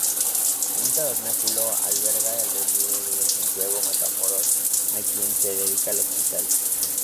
Un tabernáculo alberga el relieve de Santiago Matamoros, a quien se dedica el hospital.